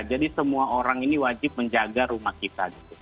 jadi semua orang ini wajib menjaga rumah kita